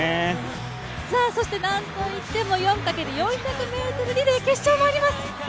そしてなんといっても４×４００ｍリレー決勝もあります。